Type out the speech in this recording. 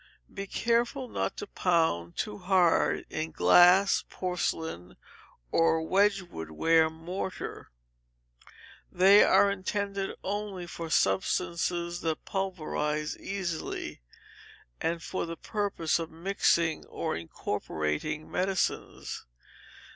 Be careful not to pound too hard in glass, porcelain, or Wedgwood ware mortar; they are intended only for substances that pulverize easily, and for the purpose of mixing or incorporating medicines.